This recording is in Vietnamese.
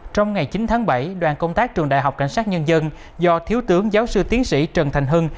trong ngày chín tháng bảy đoàn công tác trường đại học cảnh sát nhân dân do thiếu tướng giáo sư tiến sĩ trần thành hưng